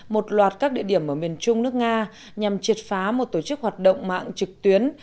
một loạt các địa điểm ở miền trung nước nga nhằm triệt phá một tổ chức hoạt động mạng trực tuyến